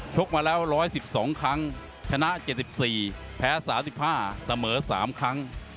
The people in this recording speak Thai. กมาแล้ว๑๑๒ครั้งชนะ๗๔แพ้๓๕เสมอ๓ครั้ง